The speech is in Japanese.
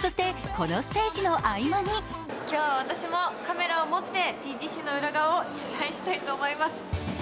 そしてこのステージの合間に今日は私も、カメラを持ってＴＧＣの裏側を取材したいと思います。